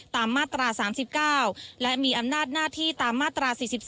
ตามมาตรา๓๙และมีอำนาจหน้าที่ตามมาตรา๔๔